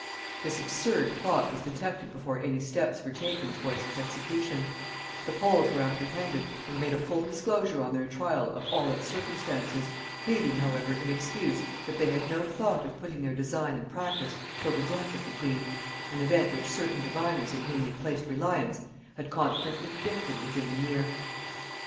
This absurd plot was detected before any steps were taken towards its execution: the Poles were apprehended, and made a full disclosure on their trial of all its circumstances; pleading however in excuse, that they had no thought of putting their design in practice till the death of the queen, an event which certain diviners in whom they placed reliance had confidently predicted within the year.